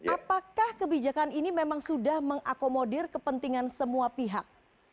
apakah kebijakan ini memang sudah mengakomodir kepentingan semua pihak